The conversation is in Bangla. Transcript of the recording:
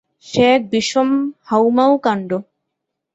সে এক বিষম হাঁউমাউ কাণ্ড।